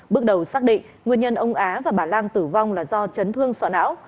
bước đầu xác định nguyên nhân ông á và bà lan tử vong là do chấn thương sọ não